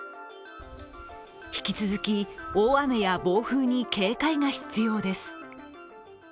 引き続き大雨や暴風に警戒が必要です。